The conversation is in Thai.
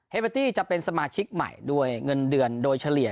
เบอร์ตี้จะเป็นสมาชิกใหม่ด้วยเงินเดือนโดยเฉลี่ย